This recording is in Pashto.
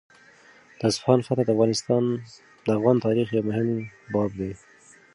د اصفهان فتحه د افغان تاریخ یو مهم باب دی.